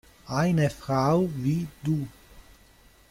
Eine Frau wie Du